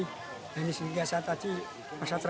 dan kemudian saya juga minta pada tetangga itu untuk mengamalkan diri